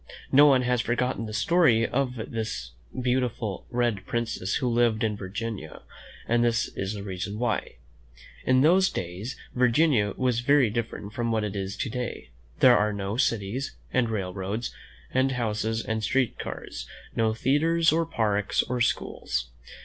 No one has forgotten the story of the beautiful red prin cess who lived in Virginia, and this is the reason why: In those days Virginia was very different from what it is to day. There were no cities, and rail roads, and houses, and street cars; no theatres, or parks, or schools.